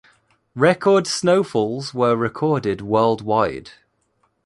Record snowfalls were recorded worldwide.